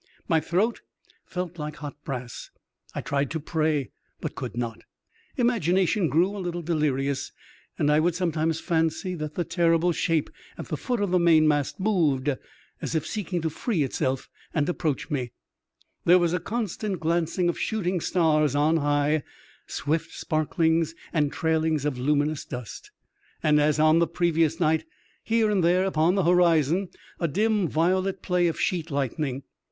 My throat felt like hot brass ; I tried to pray, but could not. EXTBAOBDINABT ADVENTURE OF A CHIEF MATE. 80 Imagination grew a little deliriouSi and I would some times fancy that the terrible shape at the foot of the mainmast moved as if seeking to free itself and approach me. There was a constant glancing of shooting stars on high^ swift sparklings and trailings of luminous dust, and, as on the previous night, here and there upon the horizon a dim violet play of sheet lightning.